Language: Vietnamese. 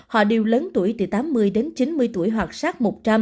họ đều lớn tuổi từ tám mươi đến chín mươi tuổi hoặc sát một trăm linh